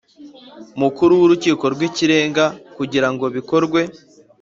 Mukuru w Urukiko rw Ikirenga kugira ngo bikorwe